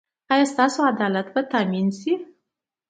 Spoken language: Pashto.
ایا ستاسو عدالت به تامین شي؟